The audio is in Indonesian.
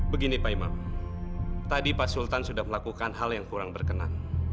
begini pak imam tadi pak sultan sudah melakukan hal yang kurang berkenan